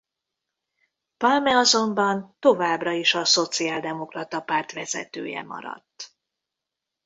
Palme azonban továbbra is a szociáldemokrata párt vezetője maradt.